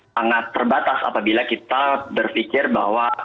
sangat terbatas apabila kita berpikir bahwa